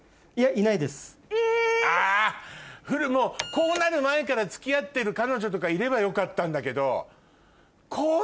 こうなる前から付き合ってる彼女とかいればよかったんだけど。